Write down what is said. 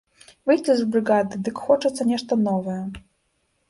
Выйдзеш з брыгады, дык хочацца нешта новае.